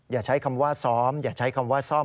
อย่าใช้คำว่าซ้อมอย่าใช้คำว่าซ่อม